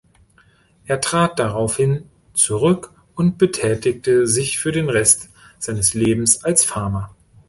Er trat daraufhin zurück und betätigte sich für den Rest seines Lebens als Farmer.